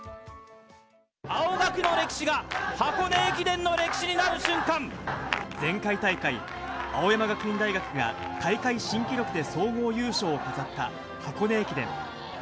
青学の歴史が、箱根駅伝の歴前回大会、青山学院大学が大会新記録で総合優勝を飾った箱根駅伝。